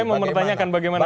saya mau bertanyakan bagaimana